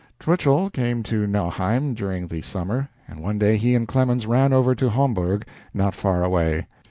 Twichell came to Nauheim during the summer, and one day he and Clemens ran over to Homburg, not far away.